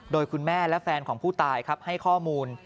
โดยคุณแม่และแฟนของผู้ตายครับให้ข้อมูล